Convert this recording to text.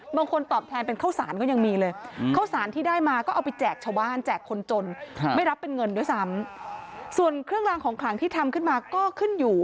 บางคนตอบแทนเป็นเข้าสารก็ยังมีเลย